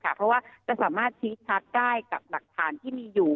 เพราะว่าจะสามารถชี้ชัดได้กับหลักฐานที่มีอยู่